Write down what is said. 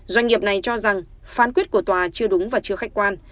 doanh nghiệp này cho rằng phán quyết của tòa chưa đúng và chưa khách quan